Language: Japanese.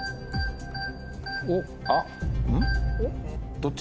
どっち？